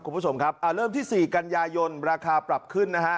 คุณผู้ชมครับเริ่มที่๔กันยายนราคาปรับขึ้นนะฮะ